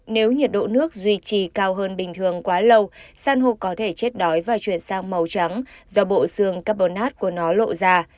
nếu nhiệt độ nước duy trì cao hơn bình thường quá lâu san hô có thể chết đói và chuyển sang màu trắng do bộ xương carbonate của nó lộ ra